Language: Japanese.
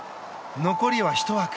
残りは１枠。